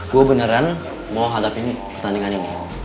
gue beneran mau hadapin pertandingan ini